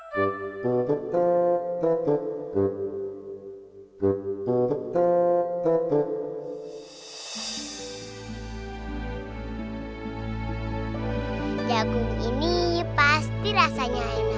jagung ini pasti rasanya enak